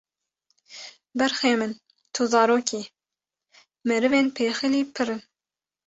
Berxê min tu zarokî, merivên pexîlî pirin